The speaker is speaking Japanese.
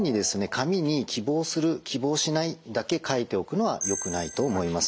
紙に「希望する」「希望しない」だけ書いておくのはよくないと思います。